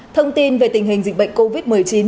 thông tin về tình hình dịch bệnh covid một mươi chín